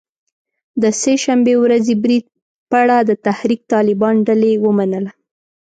د سه شنبې ورځې برید پړه د تحریک طالبان ډلې ومنله